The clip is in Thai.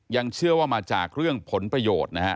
ยังเชื่อว่ามาจากเรื่องผลประโยชน์นะฮะ